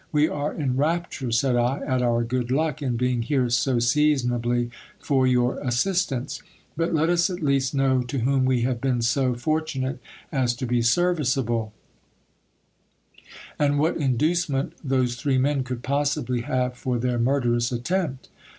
We are in rapture, said I, at our good luck in being here so seasonably for your assistance : but let us at least know to whom we have been so fortunate as to be serviceable ; and what inducement those three men could possibly have for their murderous attempt.